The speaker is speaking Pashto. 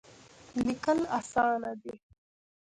لیکل اسانه دی.